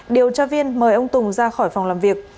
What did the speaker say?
điều tra viên mời ông tùng ra khỏi phòng làm việc